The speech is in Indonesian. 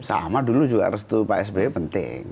sama dulu juga restu pak sby penting